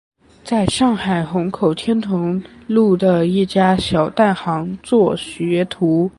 在上海虹口天潼路的一家小蛋行做学徒。